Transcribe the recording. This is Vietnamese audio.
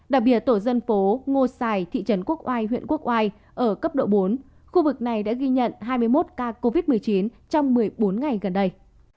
đặc biệt tổ dân phố ngô xài thị trấn quốc oai huyện quốc oai ở cấp độ bốn khu vực này đã ghi nhận hai mươi một ca covid một mươi chín trong một mươi bốn ngày gần đây